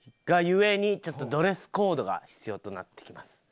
がゆえにちょっとドレスコードが必要となってきます。